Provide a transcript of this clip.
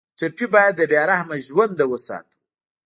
ټپي ته باید د بې رحمه ژوند نه وساتو.